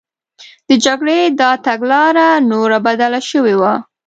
د جګړې دا تګلاره نوره بدله شوې وه